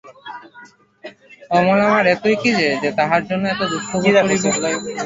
অমল আমার এতই কী যে, তাহার জন্য এত দুঃখ ভোগ করিব।